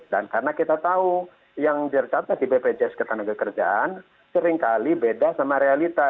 dan karena kita tahu yang dicatat di bpjs ketenagakerjaan seringkali beda sama realita